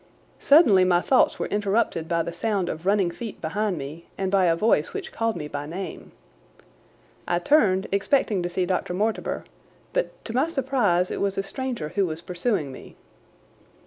Suddenly my thoughts were interrupted by the sound of running feet behind me and by a voice which called me by name. I turned, expecting to see Dr. Mortimer, but to my surprise it was a stranger who was pursuing me.